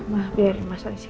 mas biarin mas alisnya